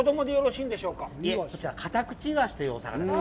いいえ、こちら、カタクチイワシというお魚です。